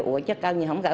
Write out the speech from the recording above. là nó đang kiểm tra